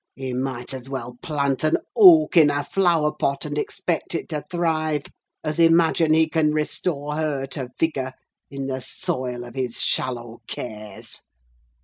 He might as well plant an oak in a flower pot, and expect it to thrive, as imagine he can restore her to vigour in the soil of his shallow cares!